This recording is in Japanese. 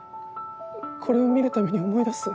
これを見る度に思い出す。